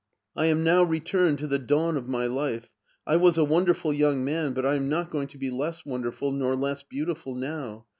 I am now returned to tHe dawn of my life. I was a wonderful young man, but I am not going to be less wonderful nor less beautiful now.